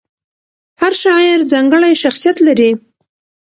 هر شاعر ځانګړی شخصیت لري.